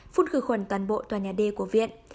phun khử khuẩn toàn bộ tòa nhà d của viện